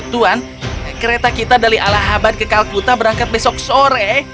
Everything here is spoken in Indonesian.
tuan kereta kita dari allahabad ke calcutta berangkat besok sore